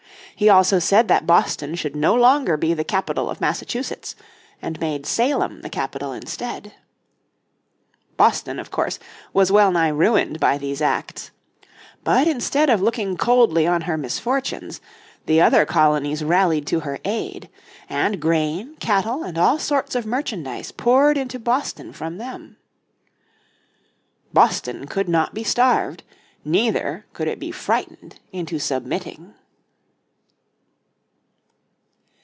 He also said that Boston should no longer be the capital of Massachusetts, and made Salem the capital instead. Boston, of course, was well nigh ruined by these acts. But instead of looking coldly on her misfortunes, the other colonies rallied to her aid. And grain, cattle and all sorts of merchandise poured into Boston from them. Boston could not be starved, neither could it be frightened into submitting.